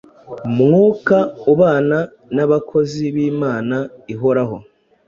Mwuka ubana n’abakozi b’Imana ihoraho